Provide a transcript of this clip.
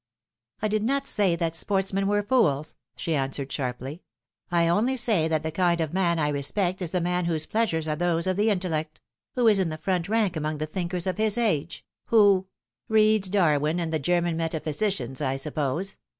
" I did not say that sportsmen were fools," she answered sharply. " I only say that the kind of man I respect is the man whose pleasures are those of the intellect who is in the front rank among the thinkers of his age who "" Reads Darwin and the German metaphysicians, I suppose.